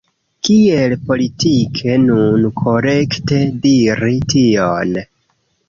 Kiel politike nun korekte diri tion?